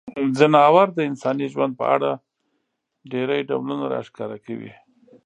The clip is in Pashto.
ځناور د انساني ژوند په اړه ډیری ډولونه راښکاره کوي.